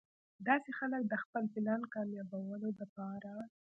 داسې خلک د خپل پلان کاميابولو د پاره